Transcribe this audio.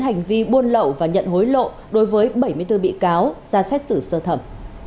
hành vi buôn lậu và nhận hối lộ đối với bảy mươi bốn bị cáo ra xét xử sơ thẩm